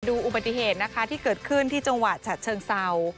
อุบัติเหตุนะคะที่เกิดขึ้นที่จังหวัดฉะเชิงเศร้า